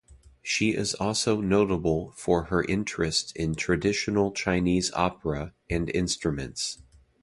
She is also notable for her interest in traditional Chinese opera and instruments.